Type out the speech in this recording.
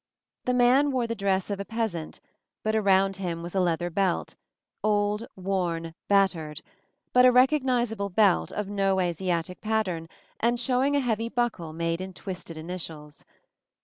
The man wore the dress of a peasant, but around him was a leather belt — old, worn, battered — but a recognizable belt of no Asiatic pattern, and showing a heavy buckle made in twisted initials.